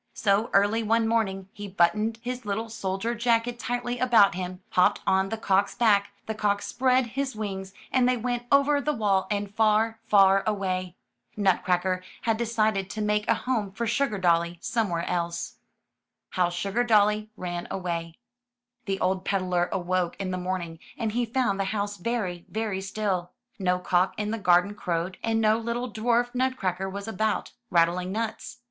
So early one morning he buttoned his little soldier jacket tightly about him, hopped on the cock's back, the cock spread his wings, and they went over the wall and far, far away. Nutcracker had de cided to make a home for SugardoUy somewhere else. HOW SUGARDOLLY RAN AWAY The old peddler awoke in the morning, and he found the house very, very still. No cock in the gar den crowed, and no little dwarf Nutcracker was about, rattling nuts.